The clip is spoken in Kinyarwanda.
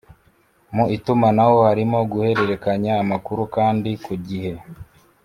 Mu itumanaho harimo guhererekanya amakuru kandi kugihe